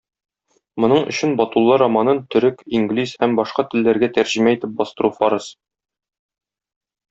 Моның өчен Батулла романын төрек, инглиз һәм башка телләргә тәрҗемә итеп бастыру фарыз.